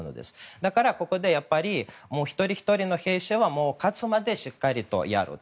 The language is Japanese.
だからここで一人ひとりの兵士は勝つまでしっかりやると。